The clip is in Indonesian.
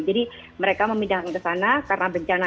jadi mereka memindahkan ke sana karena bencana